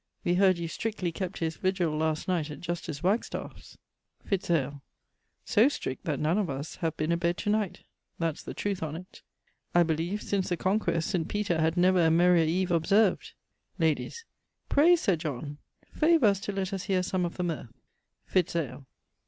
We heard you strictly kept his virgil last night at Justice Wagstaff's. Fitz ale. So strickt that none of us have been a bed to night, that's the trueth on't. I beleeve, since the Conquest, St. Peter had never a merrier eve observed. Ladyes. Pray, Sir John, favour us to let us heare some of the mirth. _Fitz ale.